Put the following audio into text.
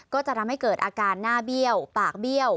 ก็จะทำให้เกิดอาการหน้าเบี้ยวปากเบี้ยว